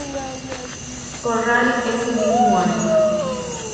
Corral ese mismo año.